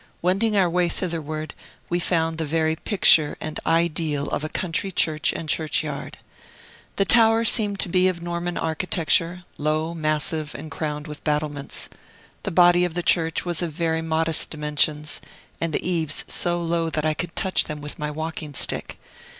Wending our way thitherward, we found the very picture and ideal of a country church and churchyard. The tower seemed to be of Norman architecture, low, massive, and crowned with battlements. The body of the church was of very modest dimensions, and the eaves so low that I could touch them with my walking stick.